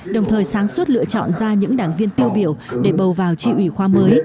đồng thời sáng suốt lựa chọn ra những đảng viên tiêu biểu để bầu vào tri ủy khoa mới